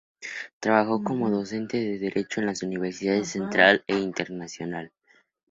Trabajó como docente de derecho en las universidades Central e Internacional.